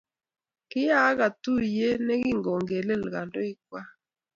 kiyaaka tuyie ne king'ololen kandoikwak